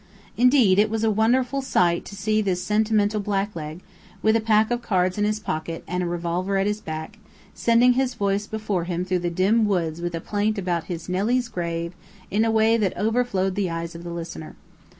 Indeed, it was a wonderful sight to see this sentimental blackleg, with a pack of cards in his pocket and a revolver at his back, sending his voice before him through the dim woods with a plaint about his "Nelly's grave" in a way that overflowed the eyes of the listener.